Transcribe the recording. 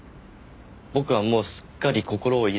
僕はもうすっかり心を入れ替えて。